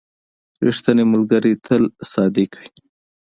• ریښتینی ملګری تل صادق وي.